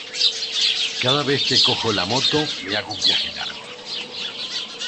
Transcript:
Cada vez que cojo la moto me hago un viaje largo.